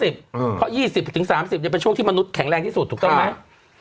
เพราะ๒๐๓๐เป็นช่วงที่มนุษย์แข็งแรงที่สุดถูกต้องไหม